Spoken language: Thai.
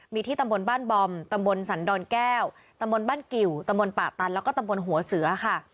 มีที่ตำบลบ้านบอมตำบลสันดอนแก้วตำบลบ้านกิวตำบลป่าตันแล้วก็ตำบลหัวเสือค่ะ